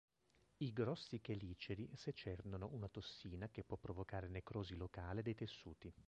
I grossi cheliceri secernono una tossina che può provocare necrosi locale dei tessuti.